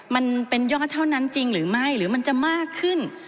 มันเป็นยอดเท่านั้นจริงหรือไม่หรือมันจะมากขึ้น